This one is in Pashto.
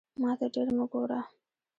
ماته ډیر مه ګوره